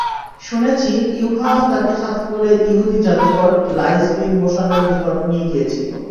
শুনেছি ইউহাওয়া তাকে সাথে করে ইহুদী জাদুকর লাঈছ বিন মোশানের নিকট নিয়ে গিয়েছিল।